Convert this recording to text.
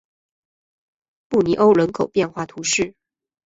布尼欧人口变化图示